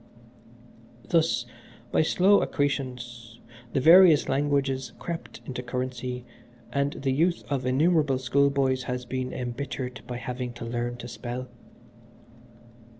"Thus, by slow accretions, the various languages crept into currency, and the youth of innumerable schoolboys has been embittered by having to learn to spell.